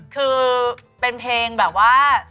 คือเป็นเพลงแบบว่า